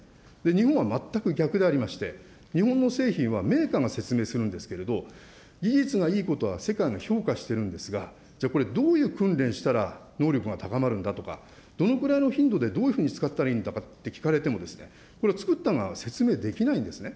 日本は全く逆でありまして、日本の製品はメーカーが説明するんですけれども、技術がいいことは世界が評価してるんですが、じゃあこれ、どういう訓練したら能力高まるんだとか、どのくらいの頻度でどういうふうに使ったらいいのかと聞かれても、作った側は説明できないんですね。